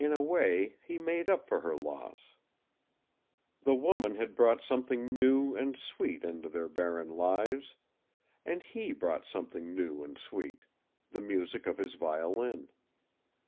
In a way, he made up for her loss. The woman had brought something new and sweet into their barren lives, and he brought something new and sweet the music of his violin.